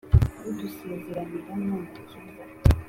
udusezeranira n'umukiza